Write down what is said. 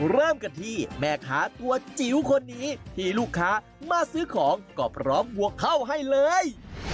เริ่มกันที่แม่ค้าตัวจิ๋วคนนี้ที่ลูกค้ามาซื้อของก็พร้อมวัวเข้าให้เลย